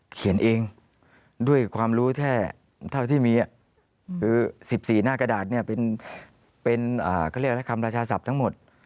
เขียนเองด้วยความรู้แค่เท่าที่มีคือ๑๔หน้ากระดาษเนี่ยเป็นเขาเรียกอะไรคำราชาศัพท์ทั้งหมด